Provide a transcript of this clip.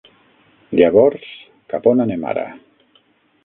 Llavors, cap on anem ara?